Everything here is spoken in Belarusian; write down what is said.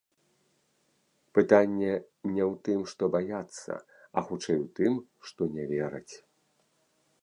Пытанне не ў тым, што баяцца, а хутчэй у тым, што не вераць.